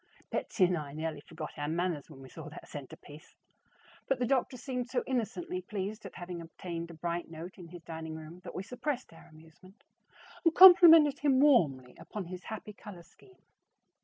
Betsy and I nearly forgot our manners when we saw that centerpiece; but the doctor seemed so innocently pleased at having obtained a bright note in his dining room that we suppressed our amusement and complimented him warmly upon his happy color scheme.